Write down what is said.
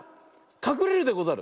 かくれるでござる。